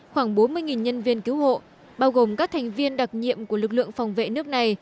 khoảng bốn mươi nhân viên cứu hộ bao gồm các thành viên đặc nhiệm của lực lượng phòng vệ nước này